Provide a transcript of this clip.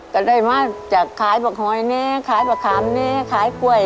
เป็นมาจากขายผิวเฮ๊ยขายผักกล้วย